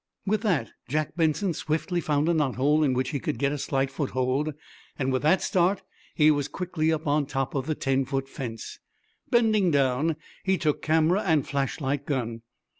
With that Jack Benson swiftly found a knothole in which he could get a slight foot hold. With that start he was quickly up on top of the ten foot fence. Bending down he took camera and flashlight "gun."